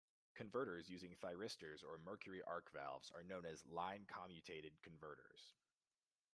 Converters using thyristors or mercury-arc valves are known as "line commutated converters".